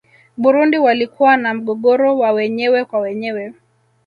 burundi walikuwa na mgogoro wa wenyewe kwa wenyewe